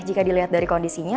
jika dilihat dari kondisinya